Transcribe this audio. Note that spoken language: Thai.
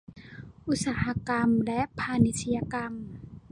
อุตสาหกรรมและพาณิชยกรรม